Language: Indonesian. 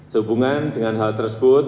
sehubungan dengan hal tersebut